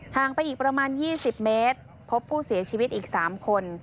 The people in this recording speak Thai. งไปอีกประมาณ๒๐เมตรพบผู้เสียชีวิตอีก๓คน